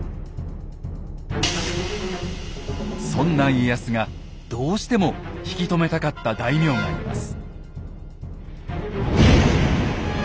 そんな家康がどうしても引き止めたかった大名がいます。